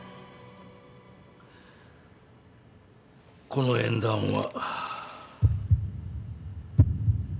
この縁談は。